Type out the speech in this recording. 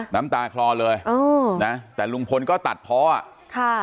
น้ำตาคลอเลยเออนะแต่ลุงพลก็ตัดพออ่ะค่ะ